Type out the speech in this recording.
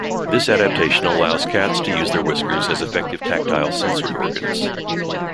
This adaptation allows cats to use their whiskers as effective tactile sensory organs.